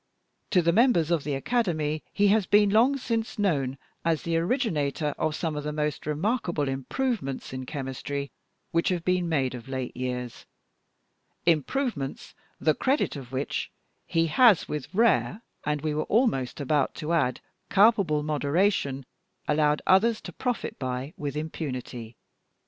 To the members of the academy he has been long since known as the originator of some of the most remarkable improvements in chemistry which have been made of late years improvements, the credit of which he has, with rare, and we were almost about to add, culpable moderation, allowed others to profit by with impunity.